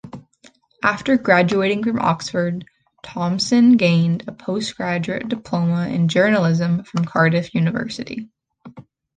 After graduating from Oxford, Thomson gained a Postgraduate Diploma in Journalism from Cardiff University.